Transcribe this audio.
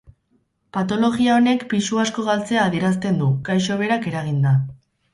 Patologia honek pisu asko galtzea adierazten du, gaixo berak eraginda.